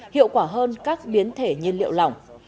hiệu quả hơn các biến thể nhiên liệu lỏng